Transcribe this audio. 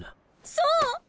そう！